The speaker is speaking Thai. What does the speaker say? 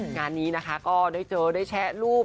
งานนี้นะคะก็ได้เจอได้แชะรูป